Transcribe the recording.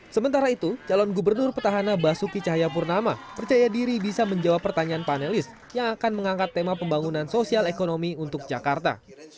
sementara itu calon gubernur petahana basuki cahayapurnama percaya diri bisa menjawab pertanyaan panelis yang akan mengangkat tema pembangunan sosial ekonomi untuk jakarta